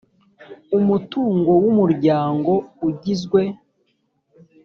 umutungo w umuryango ugizwe